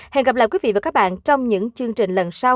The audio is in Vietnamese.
hẹn gặp lại quý vị và các bạn trong những chương trình lần sau